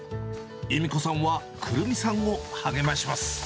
ゆみ子さんはくるみさんを励まします。